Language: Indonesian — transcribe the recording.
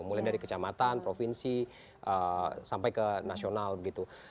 mulai dari kecamatan provinsi sampai ke nasional begitu